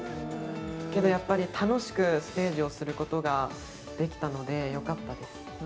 けどやっぱり楽しくステージをすることができたのでよかったです